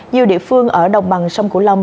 nhiều địa phương ở đồng bằng sông cửu long